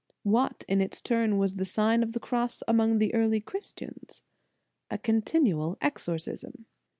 What, in its turn, was the Sign of the Cross among the early Christians? A continual exorcism.